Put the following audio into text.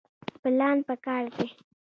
پلان پکار دی